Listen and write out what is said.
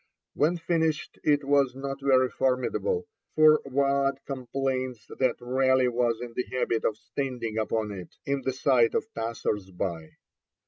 When finished it was not very formidable, for Waad complains that Raleigh was in the habit of standing upon it, in the sight of passers by.